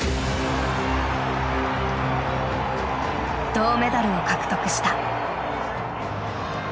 銅メダルを獲得した。